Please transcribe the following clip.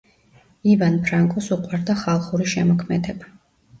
ივან ფრანკოს უყვარდა ხალხური შემოქმედება.